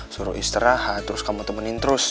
suruh istirahat terus kamu temenin terus